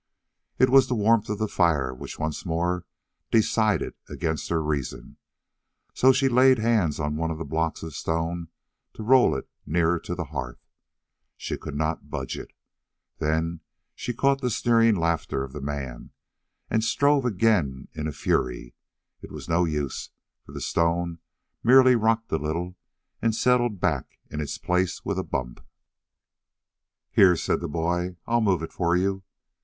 It was the warmth of the fire which once more decided against her reason, so she laid hands on one of the blocks of stone to roll it nearer to the hearth. She could not budge it. Then she caught the sneering laughter of the man, and strove again in a fury. It was no use; for the stone merely rocked a little and settled back in its place with a bump. "Here," said the boy, "I'll move it for you."